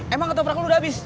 emang ketoprak lu udah habis